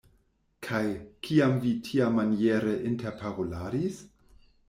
Kaj, kiam vi tiamaniere interparoladis?